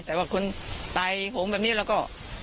แต่ว่าคนตายโหงแบบนี้เราก็